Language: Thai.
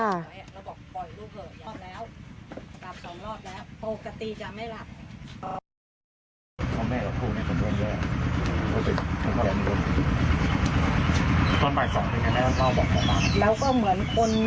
แล้วบอกปล่อยลูกเถอะยอมแล้วกลับสองรอบแล้วปกติจะไม่หลับ